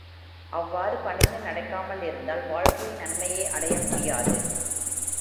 அவ்வாறு பணிந்து நடக்காமலிருந்தால், வாழ்க்கையின் நன்மையை அடைய முடியாது.